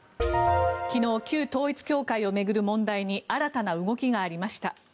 昨日、旧統一教会を巡る問題に新たな動きがありました。